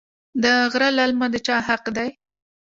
د غره للمه د چا حق دی؟